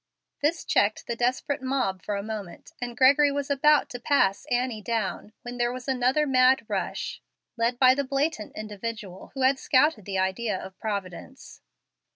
This checked the desperate mob for a moment, and Gregory was about to pass Annie down when there was another mad rush led by the blatant individual who had scouted the idea of Providence.